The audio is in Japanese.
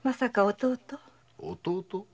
弟？